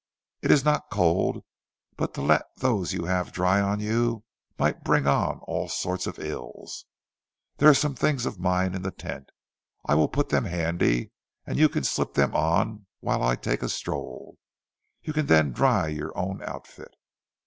It is not cold, but to let those you have dry on you might bring on all sorts of ills. There are some things of mine in the tent. I will put them handy, and you can slip them on whilst I take a stroll. You can then dry your own outfit."